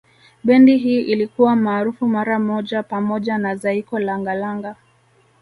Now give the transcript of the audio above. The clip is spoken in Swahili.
Bendi hii ilikuwa maarufu mara moja pamoja na Zaiko Langa Langa